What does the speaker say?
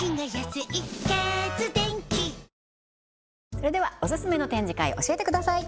それではオススメの展示会教えてください